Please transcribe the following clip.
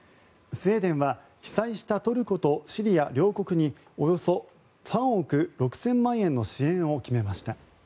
スウェーデンは被災したトルコとシリア両国におよそ３億６０００万円の支援を決めました。